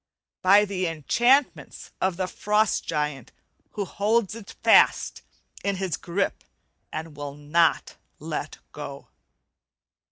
By the enchantments of the frost giant who holds it fast in his grip and will not let it go.